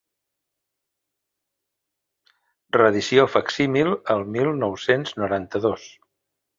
Reedició facsímil el mil nou-cents noranta-dos.